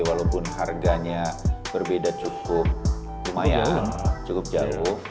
walaupun harganya berbeda cukup lumayan cukup jauh